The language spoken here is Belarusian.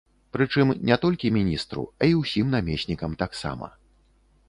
Прычым, не толькі міністру, а і ўсім намеснікам таксама.